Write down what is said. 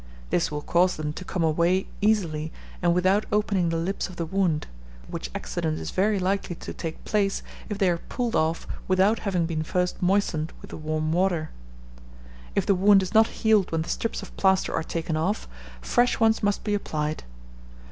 This will cause them to come away easily, and without opening the lips of the wound; which accident is very likely to take place, if they are pulled off without having been first moistened with the warm water. If the wound is not healed when the strips of plaster are taken off, fresh ones must be applied.